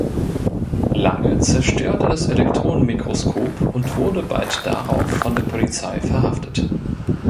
Lange zerstörte das Elektronenmikroskop und wurde bald darauf von der Polizei verhaftet.